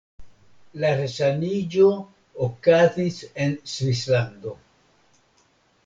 La resaniĝo okazis en Svislando.